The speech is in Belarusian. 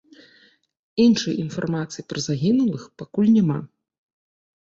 Іншай інфармацыі пра загінулых пакуль няма.